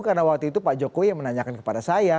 karena waktu itu pak jokowi yang menanyakan kepada saya